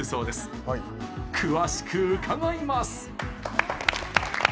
詳しく伺います。